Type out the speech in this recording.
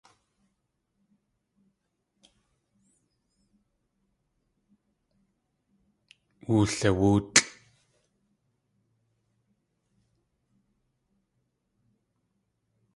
Wuliwóotlʼ.